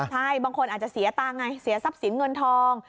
ใช่บางคนอาจจะเสียตังค์ไงเสียทรัพย์สินเงินทอง